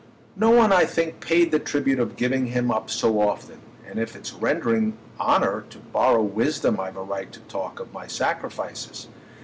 No one, I think, paid the tribute of giving him up so often, and if it's rendering honour to borrow wisdom I've a right to talk of my sacrifices.